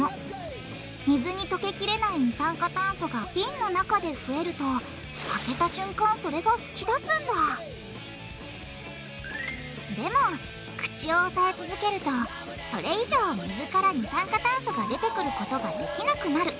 水に溶けきれない二酸化炭素が瓶の中で増えると開けた瞬間それが噴き出すんだでも口を押さえ続けるとそれ以上水から二酸化炭素が出てくることができなくなる。